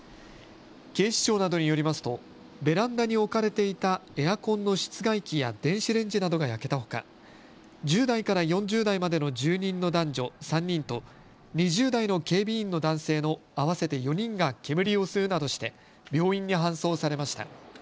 警視庁などによりますとベランダに置かれていたエアコンの室外機や電子レンジなどが焼けたほか、１０代から４０代までの住人の男女３人と２０代の警備員の男性の合わせて４人が煙を吸うなどして病院に搬送されました。